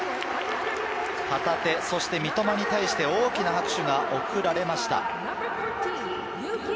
旗手、そして三笘に対して大きな拍手が送られました。